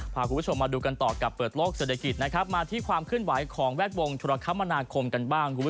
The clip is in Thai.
พาคุณผู้ชมมาดูกันต่อกับเปิดโลกเศรษฐกิจนะครับมาที่ความเคลื่อนไหวของแวดวงธุรกรรมนาคมกันบ้าง